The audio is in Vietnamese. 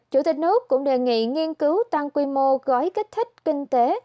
chủ tịch nước cũng đề nghị nghiên cứu tăng quy mô gói kích thích kinh tế